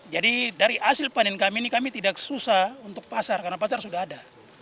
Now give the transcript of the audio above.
jadi dari hasil panen kami ini kami tidak susah untuk pasar karena pasar sudah ada